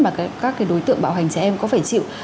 mà các đối tượng bạo hành trẻ em có phải chịu